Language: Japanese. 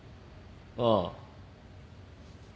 ああ。